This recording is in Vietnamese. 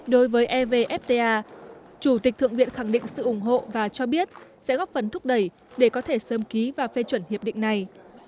đối với evfta chủ tịch thượng viện khẳng định sự ủng hộ và cho biết sẽ góp phần thúc đẩy để có thể sớm ký và phê chuẩn hiệp định này